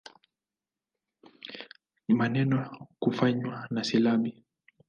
Maneno kufanywa na silabi.